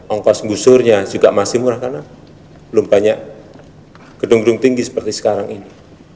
ongkos gusurnya juga masih murah karena belum banyak gedung gedung tinggi seperti sekarang ini